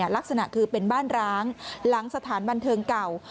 ลักษณะคือเป็นบ้านร้างหลังสถานบันเทิงเก่า